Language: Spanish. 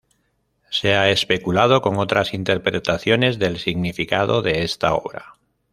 Se ha especulado con otras interpretaciones del significado de esta obra.